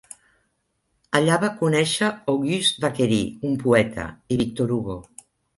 Allà va conèixer Auguste Vacquerie, un poeta, i Victor Hugo.